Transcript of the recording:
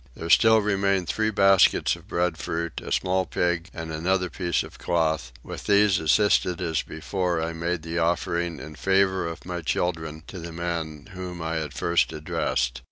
There still remained three baskets of breadfruit, a small pig, and another piece of cloth: with these, assisted as before, I made the offering in favour of my children to the man whom I had first addressed.